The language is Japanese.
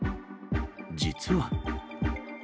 実は。